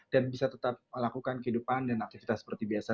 dan bisa tetap melakukan kehidupan dan aktivitas seperti biasa